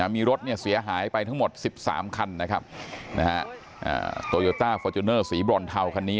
มีรถเสียหายไปทั้งหมด๑๓คันนะครับโตโยต้าฟอร์จูเนอร์สีบรอนเทาคันนี้